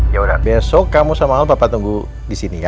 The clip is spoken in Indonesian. yaudah besok kamu sama hal bapak tunggu di sini ya